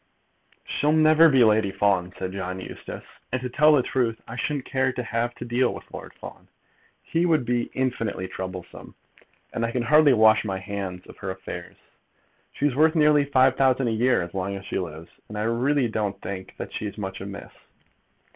"She'll never be Lady Fawn," said John Eustace. "And to tell the truth, I shouldn't care to have to deal with Lord Fawn. He would be infinitely troublesome; and I can hardly wash my hands of her affairs. She's worth nearly £5,000 a year as long as she lives, and I really don't think that she's much amiss."